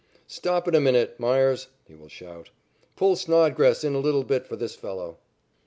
"Stop it a minute, Meyers," he will shout. "Pull Snodgrass in a little bit for this fellow."